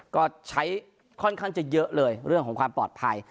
ก็ใช้ค่อนข้างจะเยอะเลยเรื่องของความปลอดภัย